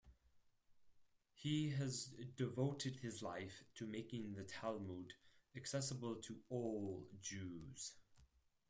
He has devoted his life to making the Talmud accessible to all Jews.